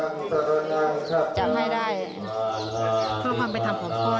พบความไปทำของพ่อเราด้วยนะครับ